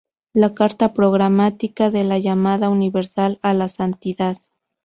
La carta programática de “la llamada universal a la santidad".